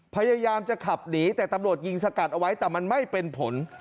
พยายามจะขับหนีแต่ตำรวจยิงสกัดเอาไว้แต่มันไม่เป็นผล